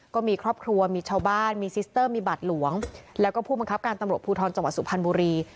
ก็มีครอบครัวมีชาวบ้านมีซิสเตอร์มีบัตรหลวงแล้วก็ผู้บังคับการตำรวจภูทรจังหวัดสุพรรณบุรี